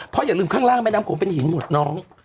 เพราะอย่าลืมข้างล่างแม่น้ำโขงเป็นหินหมดน้อง